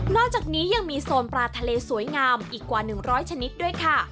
อกจากนี้ยังมีโซนปลาทะเลสวยงามอีกกว่า๑๐๐ชนิดด้วยค่ะ